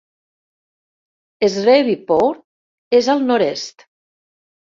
Shreveport es al nord-est.